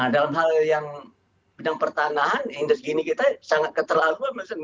dalam hal yang bidang pertanahan indeks gini kita sangat keterlaluan lima puluh sembilan